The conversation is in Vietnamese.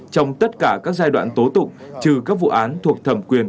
trong tất cả các giai đoạn tố tụng trừ các vụ án thuộc thẩm quyền